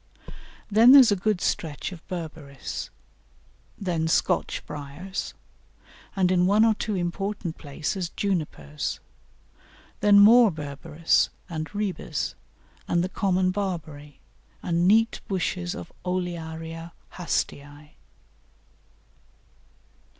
Then there is a good stretch of Berberis; then Scotch Briars, and in one or two important places Junipers; then more Berberis, and Ribes, and the common Barberry, and neat bushes of Olearia Haastii.